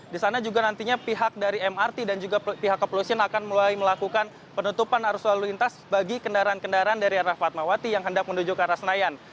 di sana juga nantinya pihak dari mrt dan juga pihak kepolisian akan mulai melakukan penutupan arus lalu lintas bagi kendaraan kendaraan dari arah fatmawati yang hendak menuju ke arah senayan